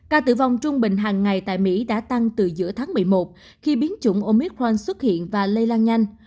ca tử vong trung bình hàng ngày tại mỹ đã tăng từ giữa tháng một mươi một khi biến chủng omit frank xuất hiện và lây lan nhanh